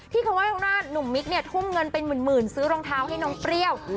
คำว่าข้างหน้าหนุ่มมิกเนี่ยทุ่มเงินเป็นหมื่นซื้อรองเท้าให้น้องเปรี้ยว